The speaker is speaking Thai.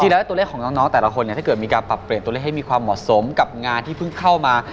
แล้วตัวเลขของน้องแต่ละคนเนี่ยถ้าเกิดมีการปรับเปลี่ยนตัวเลขให้มีความเหมาะสมกับงานที่เพิ่งเข้ามา